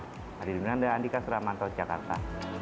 hadiuddinanda andika suramanto jakarta